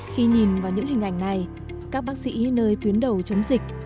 khi nhìn vào những hình ảnh này các bác sĩ nơi tuyến đầu chống dịch